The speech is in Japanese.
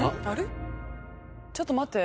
ちょっと待って。